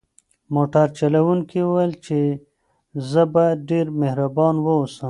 موټر چلونکي وویل چې زه باید ډېر مهربان واوسم.